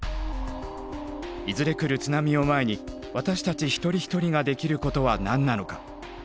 いずれ来る津波を前に私たち一人一人ができることは何なのか？